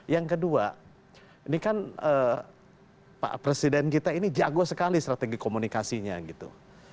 yang kedua ini kan pak presiden kita ini jago sekali strategi komunikasinya gitu